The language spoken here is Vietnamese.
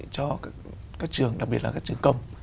cho các trường đặc biệt là các trường công